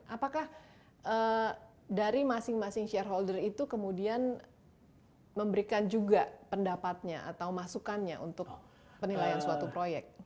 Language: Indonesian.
apakah dari masing masing shareholder itu kemudian memberikan juga pendapatnya atau masukannya untuk penilaian suatu proyek